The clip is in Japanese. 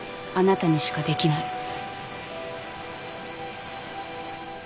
あなたにしかできない。